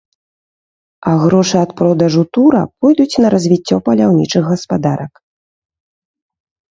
А грошы ад продажу тура пойдуць на развіццё паляўнічых гаспадарак.